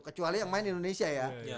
kecuali yang main indonesia ya